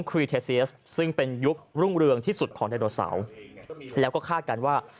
ครีเทเซียสซึ่งเป็นยุครุ่งเรืองที่สุดของไดโนเสาร์แล้วก็คาดกันว่า